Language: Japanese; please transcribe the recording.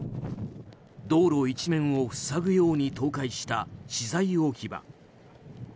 道路一面を塞ぐように倒壊した資材置き場。